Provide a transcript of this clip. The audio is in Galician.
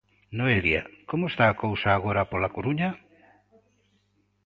Noelia, como está a cousa agora pola Coruña?